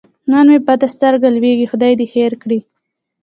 نن مې بده سترګه لوېږي خدای دې خیر کړي.